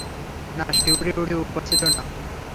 না শিউরে উঠে উপায় ছিল না।